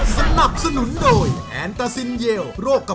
แบบกันเลยนะครับ